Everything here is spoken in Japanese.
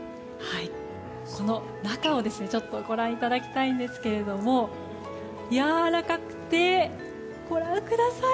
この中をご覧いただきたいんですがやわらかくて、ご覧ください。